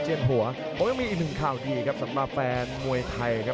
หัวผมยังมีอีกหนึ่งข่าวดีครับสำหรับแฟนมวยไทยครับ